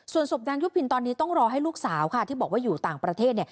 ส่วนศพนางยุพินตอนนี้ต้องรอให้ลูกสาวค่ะที่บอกว่าอยู่ต่างประเทศ